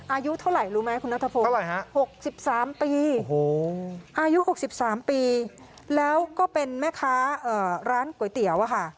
อายุเท่าไหร่รู้ไหมคุณนัทพงศ์๖๓ปีอายุ๖๓ปีแล้วก็เป็นแม่ค้าร้านก๋วยเตี๋ยวอะค่ะ